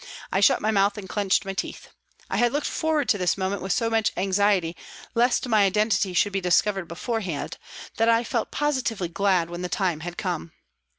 I shut my mouth and clenched my teeth. I had looked forward to this moment with so much anxiety lest my identity should be discovered beforehand, that I felt positively glad when the time had come.